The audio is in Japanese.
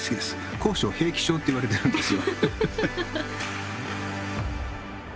高所平気症って言われてるんですよ。